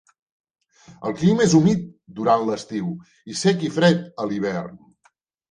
El clima és humit durant l'estiu i sec i fred a l'hivern.